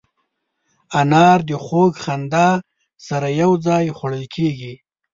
انار د خوږ خندا سره یو ځای خوړل کېږي.